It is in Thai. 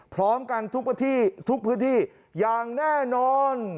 พร้อมกันทุกพื้นที่อย่างแน่นอน